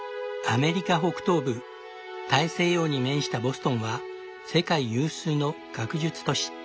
アメリカ北東部大西洋に面したボストンは世界有数の学術都市。